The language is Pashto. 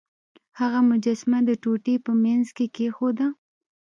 هغه مجسمه د ټوټې په مینځ کې کیښوده.